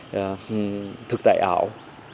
cái công viên thực tại ảo